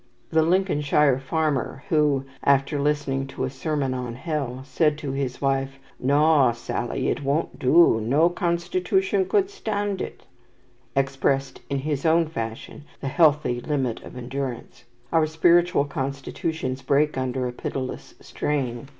The Lincolnshire farmer who, after listening to a sermon on Hell, said to his wife, "Noa, Sally, it woant do. Noa constitootion could stand it," expressed in his own fashion the healthy limit of endurance. Our spiritual constitutions break under a pitiless strain.